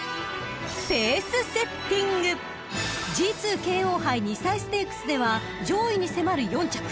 ［ＧⅡ京王杯２歳ステークスでは上位に迫る４着］